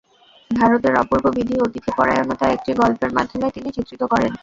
ভারতের অপূর্ব বিধি অতিথিপরায়ণতা একটি গল্পের মাধ্যমে তিনি চিত্রিত করেন।